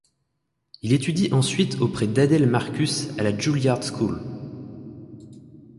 Il étudie ensuite auprès d'Adèle Marcus à la Juilliard School.